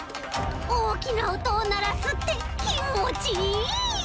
おおきなおとをならすってきんもちいい！